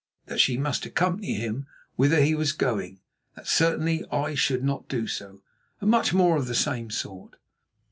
That she must accompany him whither he was going; that certainly I should not do so, and much more of the same sort.